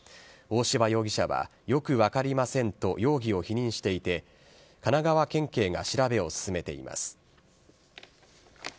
大柴容疑者はよく分かりませんと容疑を否認していて、神奈川県警が調べを進めています。